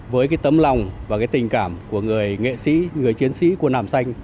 với cái tâm lòng và cái tình cảm của người nghệ sĩ người chiến sĩ quân hàm xanh